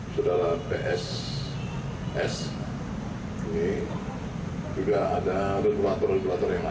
saudara pss ini juga ada regulator regulator yang lain